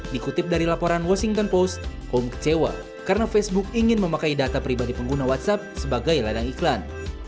dikutip dari laporan washington post kaum kecewa karena facebook ingin memakai data pribadi pengguna whatsapp sebagai ladang iklan